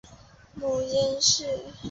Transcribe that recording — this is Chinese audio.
母阎氏。